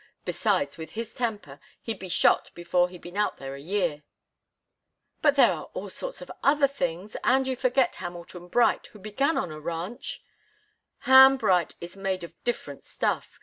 Besides, with his temper, he'd be shot before he'd been out there a year " "But there are all sorts of other things, and you forget Hamilton Bright, who began on a ranch " "Ham Bright is made of different stuff.